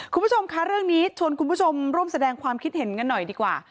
คุณผู้ชมคะเรื่องนี้ชวนคุณผู้ชมร่วมแสดงความคิดเห็นกันหน่อยดีกว่า